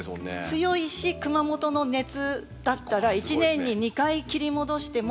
強いし熊本の熱だったら１年に２回切り戻してもまた花が戻ってくる。